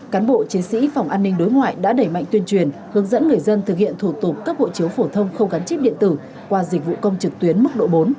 cán bộ chiến sĩ phòng an ninh đối ngoại đã đẩy mạnh tuyên truyền hướng dẫn người dân thực hiện thủ tục cấp hộ chiếu phổ thông không gắn chip điện tử qua dịch vụ công trực tuyến mức độ bốn